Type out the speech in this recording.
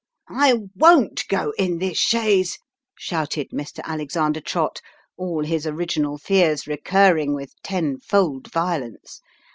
" I won't go in this chaise !" shouted Mr. Alexander Trott, all his original fears recurring with tenfold violence.